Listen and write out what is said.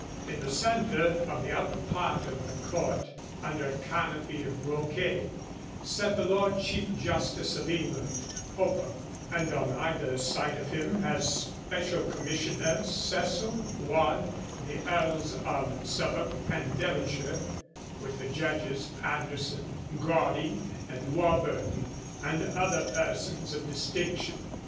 In the centre of the upper part of the court, under a canopy of brocade, sat the Lord Chief Justice of England, Popham, and on either side of him, as special commissioners, Cecil, Waad, the Earls of Suffolk and Devonshire, with the judges, Anderson, Gawdy, and Warburton, and other persons of distinction.